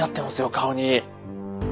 顔に。